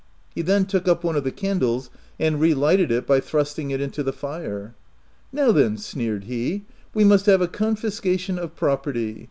He then took up one of the candles and relighted it by thrusting it into the fire. "Now then/' sneered he, " we must have a confiscation of property.